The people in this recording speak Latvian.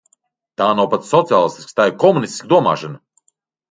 Tā nav pat sociālistiska, tā ir komunistiska domāšana.